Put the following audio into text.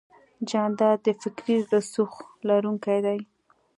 جانداد د فکري رسوخ لرونکی دی.